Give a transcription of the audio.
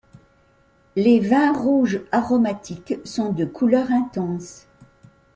Les vins rouges aromatiques sont de couleur intense.